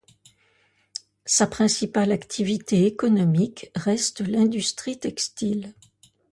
Sa principale activité économique reste l'industrie textile.